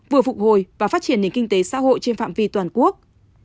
vừa phục hồi và phát triển nền kinh tế xã hội trên phạm vi toàn quốc